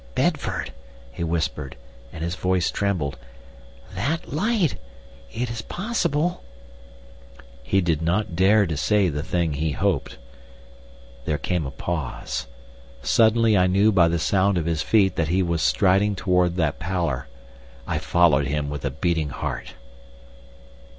"Bedford," he whispered, and his voice trembled. "That light—it is possible—" He did not dare to say the thing he hoped. Then came a pause. Suddenly I knew by the sound of his feet that he was striding towards that pallor. I followed him with a beating heart.